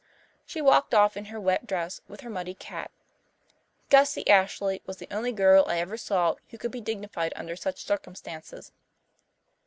She walked off in her wet dress with her muddy cat. Gussie Ashley was the only girl I ever saw who could be dignified under such circumstances.